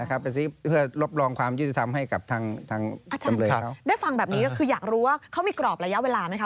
อาจารย์ได้ฟังแบบนี้คืออยากรู้ว่าเขามีกรอบระยะเวลาไหมคะ